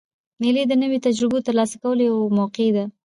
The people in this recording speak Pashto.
مېلې د نوو تجربو د ترلاسه کولو یوه موقع يي.